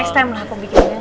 next time lah aku bikin